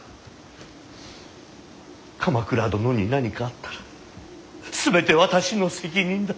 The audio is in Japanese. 鎌倉殿に何かあったら全て私の責任だ。